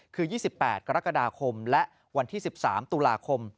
คือ๒๘กรกฎาคมและวันที่๑๓ตุลาคม